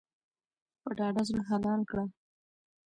په ډاډه زړه حلال کړه.